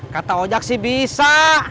kata ojak sih bisa